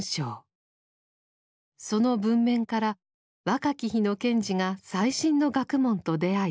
その文面から若き日の賢治が最新の学問と出会い